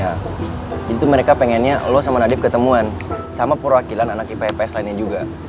jadi tuh mereka pengennya lo sama nadif ketemuan sama perwakilan anak ipa ips lainnya juga